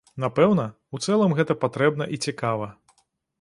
Напэўна, у цэлым гэта патрэбна і цікава.